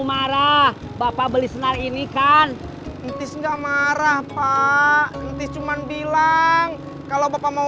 marah bapak beli senar ini kan entis enggak marah pak entis cuman bilang kalau bapak mau